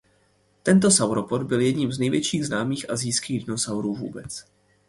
Tento sauropod byl jedním z největších známých asijských dinosaurů vůbec.